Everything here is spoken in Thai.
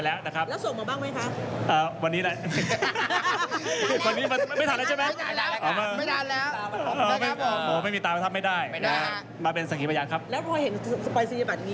แล้วพอเห็นสไปซีแบบนี้เยี่ยมรู้สึกอย่างไร